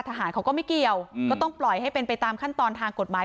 ทหารเขาก็ไม่เกี่ยวก็ต้องปล่อยให้เป็นไปตามขั้นตอนทางกฎหมาย